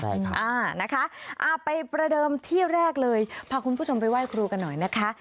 ใช่ค่ะนะคะไปประเดิมที่แรกเลยพาคุณผู้ชมไปไหว้ครูกันหน่อยนะคะ